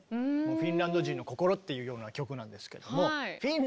フィンランド人の心っていうような曲なんですけども。